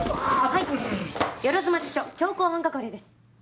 はい万町署強行班係です。